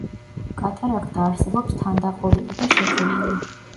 კატარაქტა არსებობს თანდაყოლილი და შეძენილი.